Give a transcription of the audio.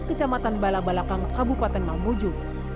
kecamatan balabalakang kabupaten mamuju